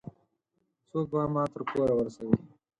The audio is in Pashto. څوک به ما تر کوره ورسوي؟